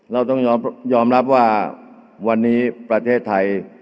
เราต้องยอมรับว่าวันนี้ประเทศไทย